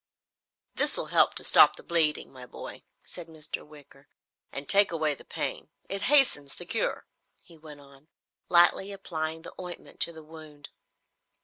"This will help to stop the bleeding, my boy," said Mr. Wicker, "and take away the pain. It hastens the cure," he went on, lightly applying the ointment to the wound.